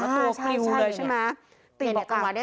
แล้วตัวคิวเลยใช่ไหม